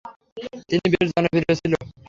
তিনি বেশ জনপ্রিয় ছিল।